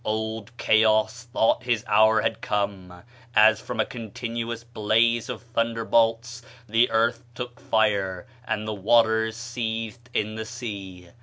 Old Chaos thought his hour had come, as from a continuous blaze of thunder bolts the earth took fire, and the waters seethed in the sea.